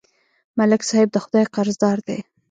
ملک صاحب د خدای قرضدار دی.